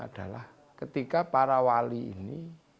adalah ketika para wali ini